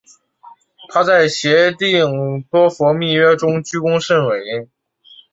她在协定多佛密约中居功甚伟。